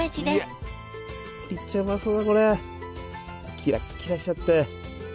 キラキラしちゃって。